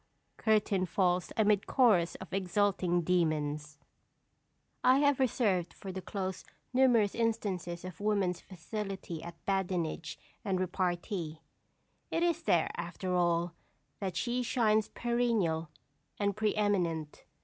Curtain falls amid chorus of exulting demons. I have reserved for the close numerous instances of woman's facility at badinage and repartee. It is there, after all, that she shines perennial and pre eminent.